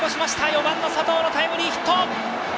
４番の佐藤のタイムリーヒット！